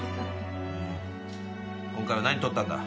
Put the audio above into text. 今回は何とったんだ？